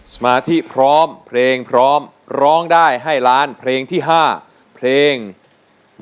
สมาธิพร้อมเพลงพร้อมร้องได้ให้ล้านเพลงที่๕เพลง